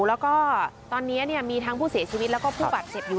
แล้วก็ตอนนี้มีทั้งผู้เสียชีวิตแล้วก็ผู้บาดเจ็บอยู่